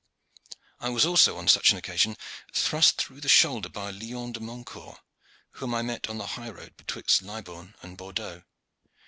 I was also on such an occasion thrust through the shoulder by Lyon de Montcourt, whom I met on the high road betwixt Libourne and Bordeaux.